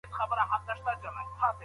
که دا هم نه سې کولای نو آرام کښېنه